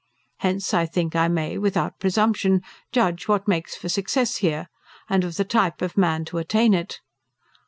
Hence I think I may, without presumption, judge what makes for success here, and of the type of man to attain it.